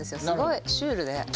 すごいシュールで。